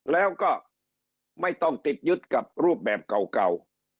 แล้วก็ไม่ต้องติดยึดกับรูปแบบเก่า